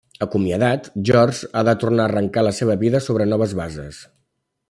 Acomiadat, George ha de tornar a arrencar la seva vida sobre noves bases.